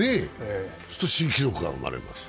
すると新記録が生まれます。